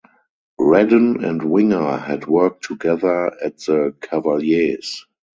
Redden and Winger had worked together at the Cavaliers.